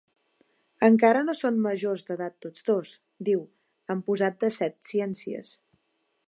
Encara no són majors d'edat tots dos —diu, amb posat de setciències—.